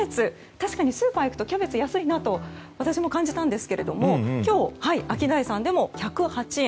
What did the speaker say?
確かにスーパーに行くとキャベツは安いなと私も感じたんですけど今日アキダイさんでも１０８円。